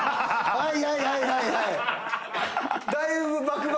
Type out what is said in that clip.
はいはいはいはいはい。